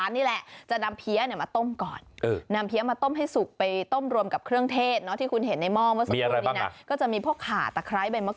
อ๋อเข้าใจแล้วเขาไม่ได้เติมเข้ามาตั้งแต่แรก